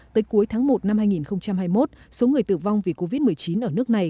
tới cuối tháng một năm hai nghìn hai mươi một số người tử vong vì covid một mươi chín ở nước này